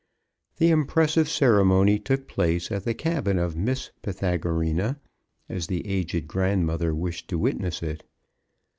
The impressive ceremony took place at the cabin of Miss Pythagorina, as the aged grandmother wished to witness it.